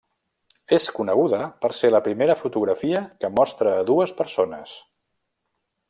És coneguda per ser la primera fotografia que mostra a dues persones.